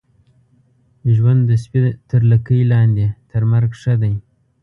ژوند د سپي تر لکۍ لاندي ، تر مرګ ښه دی.